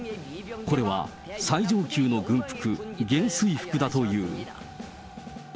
これは最上級の軍服、元帥服だという。